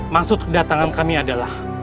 maksud kedatangan kami adalah